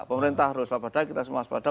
pemerintah harus waspada kita semua waspada